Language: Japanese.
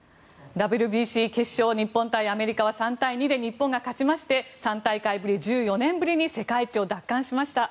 ＷＢＣ決勝日本対アメリカは３対２で日本が勝ちまして３大会ぶり１４年ぶりに世界一を奪還しました。